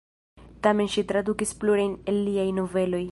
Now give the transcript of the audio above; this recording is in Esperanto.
Tamen ŝi tradukis plurajn el liaj noveloj.